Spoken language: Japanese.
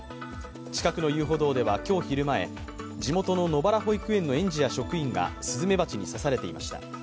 近くの遊歩道では今日９時前、地元ののばら保育園の園児や職員がスズメバチに刺されていました。